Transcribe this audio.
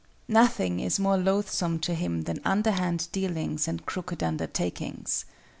Nothing is more loathsome to him than underhand dealings and crooked undertakings.